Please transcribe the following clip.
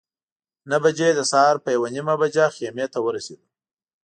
نهه بجې د سهار په یوه نیمه بجه خیمې ته ورسېدو.